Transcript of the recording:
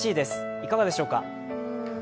いかがでしょうか？